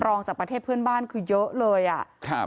จากประเทศเพื่อนบ้านคือเยอะเลยอ่ะครับ